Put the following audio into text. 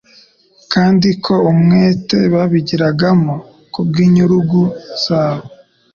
kandi ko umwete babigiragamo kubw'inyurugu zabo,